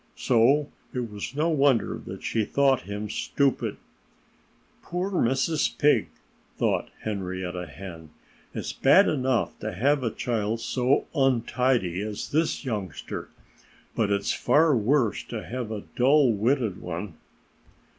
So it was no wonder that she thought him stupid. "Poor Mrs. Pig!" thought Henrietta Hen. "It's bad enough to have a child so untidy as this youngster. But it's far worse to have a dull witted one."